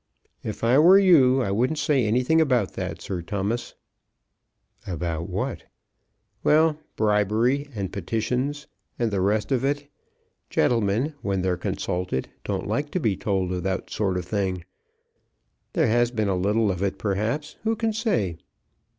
"If I were you, I wouldn't say anything about that, Sir Thomas." "About what?" "Well; bribery and petitions, and the rest of it. Gentlemen when they're consulted don't like to be told of those sort of things. There has been a little of it, perhaps. Who can say?"